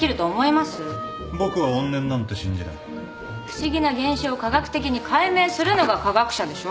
不思議な現象を科学的に解明するのが科学者でしょ？